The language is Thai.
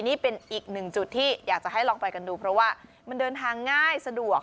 นี่เป็นอีกหนึ่งจุดที่อยากจะให้ลองไปกันดูเพราะว่ามันเดินทางง่ายสะดวก